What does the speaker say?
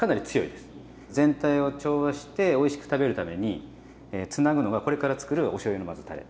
全体を調和しておいしく食べるためにつなぐのがこれからつくるおしょうゆのまずたれ。